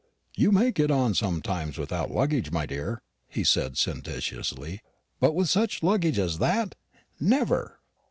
"You may get on sometimes without luggage, my dear," he said sententiously; "but with such luggage as that, never!"